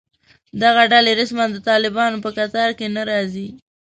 دغه ډلې رسماً د طالبانو په کتار کې نه راځي